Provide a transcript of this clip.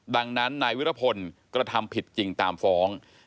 ดังนั้นนายวิรพลกระทำผิดจริงตามฟ้อง